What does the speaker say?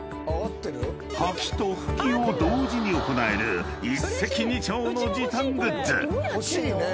［掃きと拭きを同時に行える一石二鳥の時短グッズ］